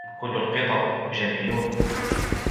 كل القطط جميلون.